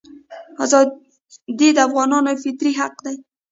ازادي د افغانانو فطري حق دی.